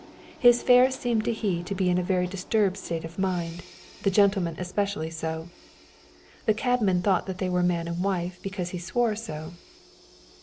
His fares seemed to him to be in a very disturbed state of mind, the gentleman especially so. The cabman thought that they were man and wife because he swore so.